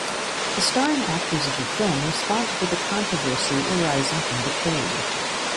The starring actors of the film responded to the controversy arising from the trailer.